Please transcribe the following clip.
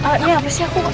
apa sih aku